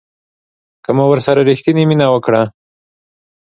که مو ورسره ریښتینې مینه وکړه